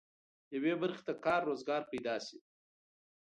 یوې برخې ته کار روزګار پيدا شي.